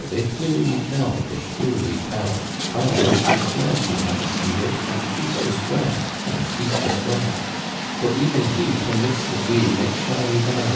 They clearly tell (They clearly tell) Our host is glad to have us here. And feast us well (And feast us well) ; For even he permits that we Make Charivari